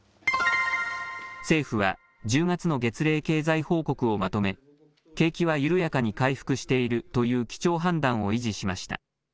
政府は１０月の月例報告をまとめ、景気は緩やかに回復しているという基調判断を維持しました。